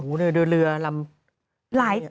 อู้วเหนื่อยเรือลำ